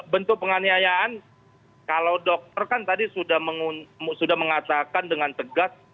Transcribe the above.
bentuk penganiayaan kalau dokter kan tadi sudah mengatakan dengan tegas